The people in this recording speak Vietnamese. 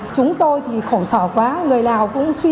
chúng tôi thì khổ sở quá người lào cũng vậy